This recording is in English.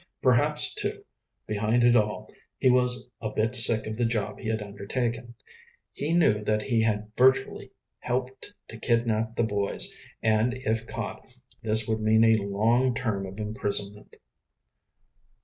Perhaps, too, behind it all, he was a bit sick of the job he had undertaken. He knew that he had virtually helped to kidnap the boys, and, if caught, this would mean a long term of imprisonment.